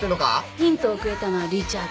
ヒントをくれたのはリチャード。